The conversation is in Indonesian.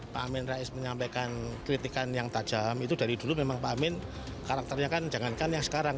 pak amin rais menyampaikan kritikan yang tajam itu dari dulu memang pak amin karakternya kan jangankan yang sekarang